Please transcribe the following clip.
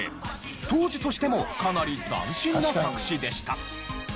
当時としてもかなり斬新な作詞でした。